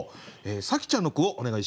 紗季ちゃんの句をお願いします。